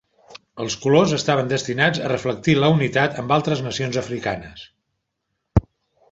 Els colors estaven destinats a reflectir la unitat amb altres nacions africanes.